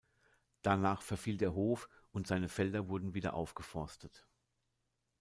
Danach verfiel der Hof und seine Felder wurden wieder aufgeforstet.